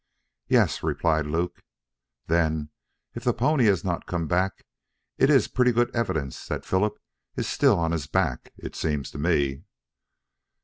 "Yes," replied Luke. "Then, if the pony has not come back, it is pretty good evidence that Philip is still on his back, it seems to me."